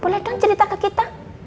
boleh dong cerita ke kita